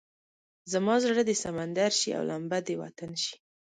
زما زړه دې سمندر شي او لمبه دې وطن شي.